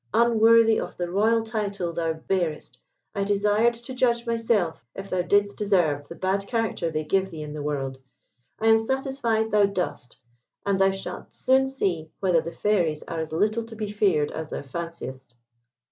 unworthy of the royal title thou bearest, I desired to judge myself if thou didst deserve the bad character they give thee in the world. I am satisfied thou dost, and thou shalt soon see whether the fairies are as little to be feared as thou fanciest."